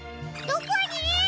どこに？